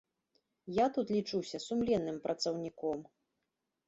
Я тут лічуся сумленным працаўніком.